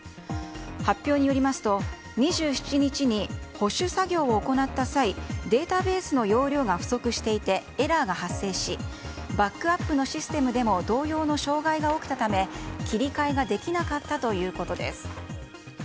発表によりますと２７日に保守作業を行った際データベースの容量が不足していてエラーが発生しバックアップのシステムでも同様の障害が起きたため切り替えができなかったということです。